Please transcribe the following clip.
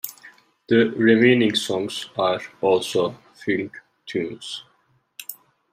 The remaining songs are also funk tunes.